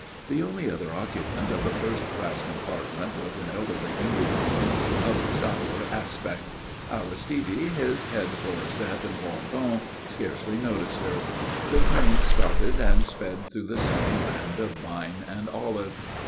The only other occupant of the first class compartment was an elderly Englishwoman of sour aspect. Aristide, his head full of Zette and Bondon, scarcely noticed her. The train started and sped through the sunny land of vine and olive.